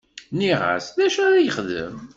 Nniɣ-as d acu ara yexdem.